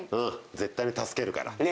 絶対に助けるから。